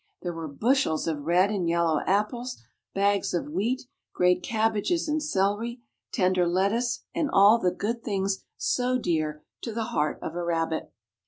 There were bushels of red and yellow apples, bags of wheat, great cabbages and celery, tender lettuce and all the good things so dear to the heart of a rabbit.